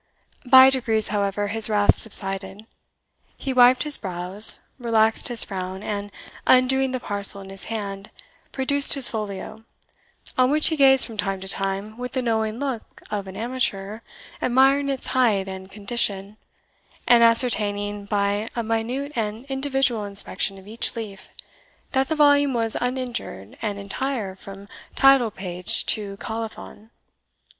By degrees, however, his wrath subsided; he wiped his brows, relaxed his frown, and, undoing the parcel in his hand, produced his folio, on which he gazed from time to time with the knowing look of an amateur, admiring its height and condition, and ascertaining, by a minute and individual inspection of each leaf, that the volume was uninjured and entire from title page to colophon.